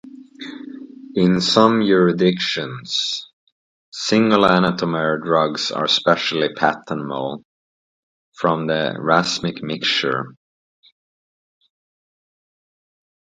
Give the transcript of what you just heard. In some jurisdictions, single-enantiomer drugs are separately patentable from the racemic mixture.